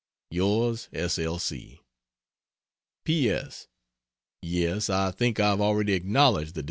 Yours S. L. C. P. S. Yes, I think I have already acknowledged the Dec.